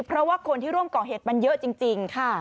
เพราะว่าคนที่ร่วมก่อเหตุมันเยอะจริง